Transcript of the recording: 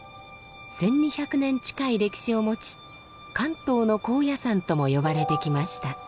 １，２００年近い歴史を持ち関東の高野山とも呼ばれてきました。